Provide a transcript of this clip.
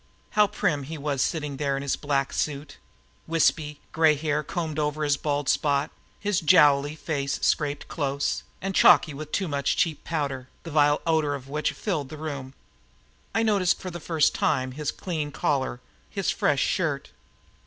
How prim he was sitting there is his black suit, wispy, grey hair combed over his bald spot, his jowly face scraped close and chalky with too much cheap powder, the vile odor of which filled the room. I noticed for the first time his clean collar, his fresh shirt.